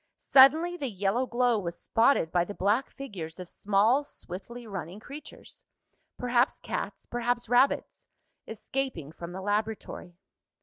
Suddenly the yellow glow was spotted by the black figures of small swiftly running creatures perhaps cats, perhaps rabbits escaping from the laboratory.